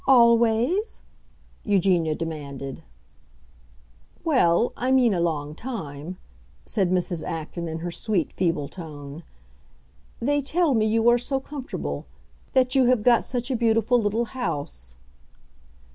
"Always?" Eugenia demanded. "Well, I mean a long time," said Mrs. Acton, in her sweet, feeble tone. "They tell me you are so comfortable—that you have got such a beautiful little house."